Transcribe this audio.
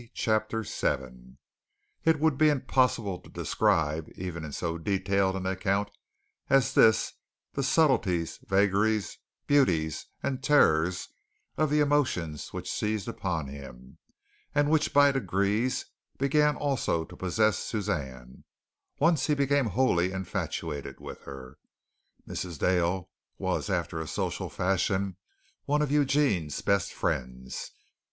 CHAPTER VII It would be impossible to describe even in so detailed an account as this the subtleties, vagaries, beauties and terrors of the emotions which seized upon him, and which by degrees began also to possess Suzanne, once he became wholly infatuated with her. Mrs. Dale, was, after a social fashion, one of Eugene's best friends.